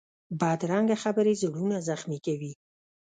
بدرنګه خبرې زړونه زخمي کوي